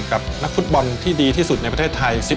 กับนักฟุตบอลที่ดีที่สุดในประเทศไทย